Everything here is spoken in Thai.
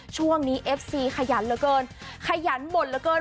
ช่วงนี้เอฟซีขยันเหลือเกินขยันบ่นเหลือเกิน